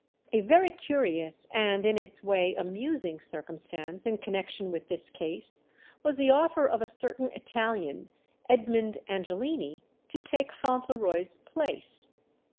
A very curious and, in its way, amusing circumstance in connection with this case was the offer of a certain Italian, Edmund Angelini, to take Fauntleroy's place.